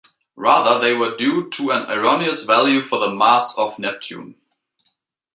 Rather, they were due to an erroneous value for the mass of Neptune.